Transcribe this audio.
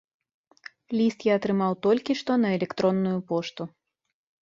Ліст я атрымаў толькі што на электронную пошту.